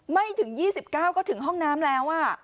ไม่ถึง๒๙ก็ถึงห้องน้ำแล้ว